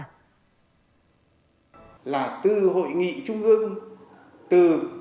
nên hãy đối tác với chúng tôi